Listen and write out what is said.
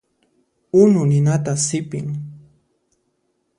Unu ninata sipin.